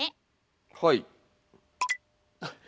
はい。